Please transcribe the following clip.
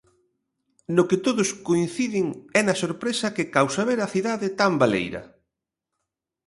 No que todos coinciden é na sorpresa que causa ver a cidade tan baleira.